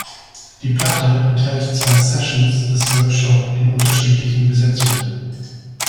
Die Platte enthält zwei Sessions des Workshop in unterschiedlichen Besetzungen.